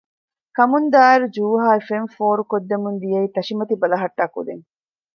ކަމުން ދާއިރު ޖޫހާއި ފެން ފޯރު ކޮށްދެމުންދިޔައީ ތަށި މަތި ބަލަހަޓާ ކުދިން